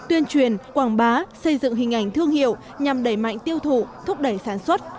tuyên truyền quảng bá xây dựng hình ảnh thương hiệu nhằm đẩy mạnh tiêu thụ thúc đẩy sản xuất